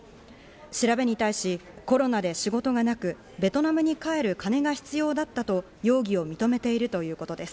調べに対し、コロナで仕事がなく、ベトナムに帰る金が必要だったと容疑を認めているということです。